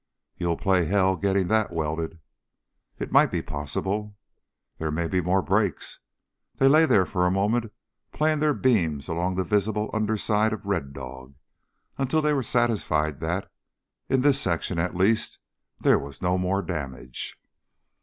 "You'll play hell getting that welded." "It might be possible." "There may be more breaks." They lay there for a moment playing their beams along the visible underside of Red Dog until they were satisfied that, in this section at least, there was no more damage.